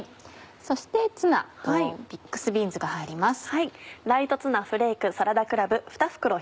そしてツナとミックスビーンズが入ります。